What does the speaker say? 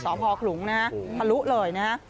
สพขลุงฮะพลุเลยนะ